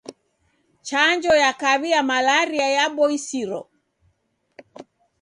Chanjo ya kaw'i ya malaria yaboisiro.